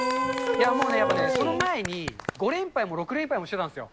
いや、もうね、その前に５連敗も６連敗もしてたんですよ。